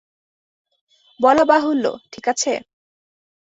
বলা বাহুল্য, ঠিক আছে?